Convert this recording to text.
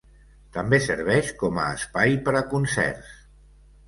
També serveix com a espai per a concerts.